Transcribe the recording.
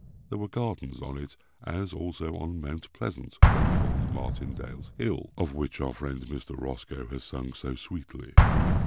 There were gardens on it, as, also, on Mount Pleasant, then called Martindale's hill, of which our friend Mr. Roscoe has sung so sweetly.